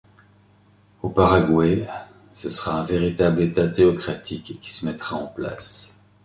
Au Paraguay, ce sera un véritable état théocratique qui se mettra en place.